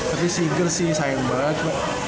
tapi si seagal sih sayang banget